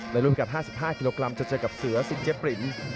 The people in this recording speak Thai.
รูปการ๕๕กิโลกรัมจะเจอกับเสือสิงเจ๊ปริน